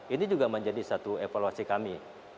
ini juga menjadi satu evaluasi kami